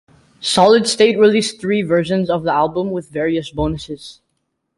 Solid State released three versions of the album with various bonuses.